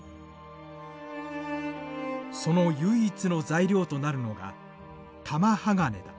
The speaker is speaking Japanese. その唯一の材料となるのが玉鋼だ。